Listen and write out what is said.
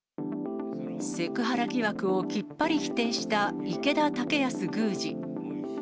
セクハラ疑惑をきっぱり否定した、池田剛康宮司。